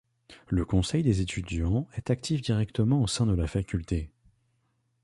Le Conseil des étudiants est actif directement au sein de la faculté.